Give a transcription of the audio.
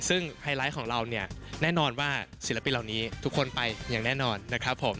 ซึ่งไฮไลท์ของเราเนี่ยแน่นอนว่าศิลปินเหล่านี้ทุกคนไปอย่างแน่นอนนะครับผม